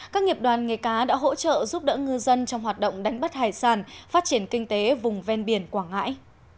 các nghiệp đoàn nghề cá đã hỗ trợ giúp đỡ ngư dân trong hoạt động đánh bắt hải sản phát triển kinh tế vùng ven biển quảng ngãi